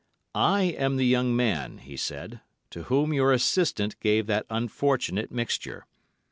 'I am the young man,' he said, 'to whom your assistant gave that unfortunate mixture.